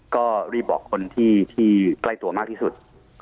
ก็รีบบอกคนที่ใกล้ตัวมากที่สุด